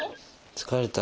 疲れた？